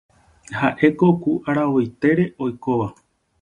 ha'éko ku aravoitére oikóva.